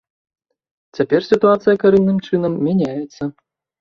Цяпер сітуацыя карэнным чынам мяняецца.